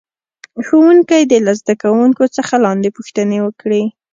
ښوونکی دې له زده کوونکو څخه لاندې پوښتنې وکړي.